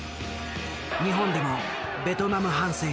日本でもベトナム反戦